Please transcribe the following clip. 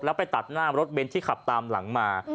แล้วไปตัดหน้ารถเบนท์ที่ขับตามหลังมา